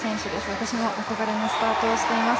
私の憧れのスタートをしています。